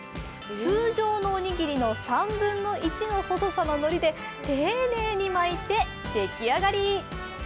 通常のおにぎりの３分の１の細さののりで丁寧に巻いて出来上がり。